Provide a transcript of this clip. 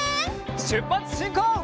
しゅっぱつしんこう！